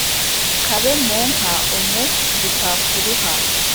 Kabe mu nka umu zitakuruha